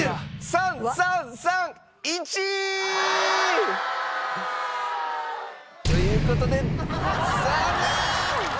３３３１！という事で残念！